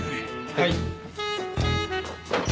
はい。